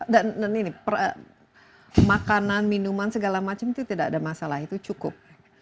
dan makanan minuman segala macam itu tidak ada masalah itu cukup